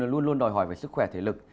luôn luôn đòi hỏi về sức khỏe thể lực